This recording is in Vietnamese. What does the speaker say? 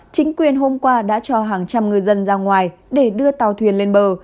chính quyền hôm qua đã cho hàng trăm người dân ra ngoài để đưa tàu thuyền lên bờ